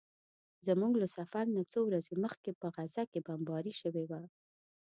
زموږ له سفر نه څو ورځې مخکې په غزه کې بمباري شوې وه.